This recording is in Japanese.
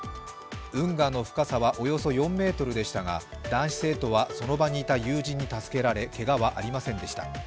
運河の深さはおよそ４ｍでしたが男子生徒はその場にいた友人に助けられけがはありませんでした。